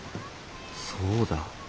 そうだ。